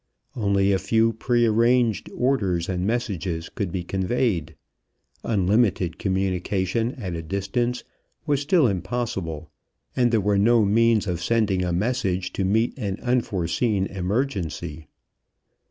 Only a few prearranged orders and messages could be conveyed. Unlimited communication at a distance was still impossible, and there were no means of sending a message to meet an unforeseen emergency.